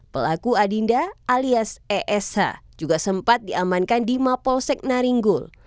pelaku adinda alias esh juga sempat diamankan di mapolsek naringgul